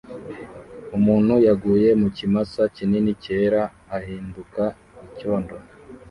Umuntu yaguye mu kimasa kinini cyera ahinduka icyondo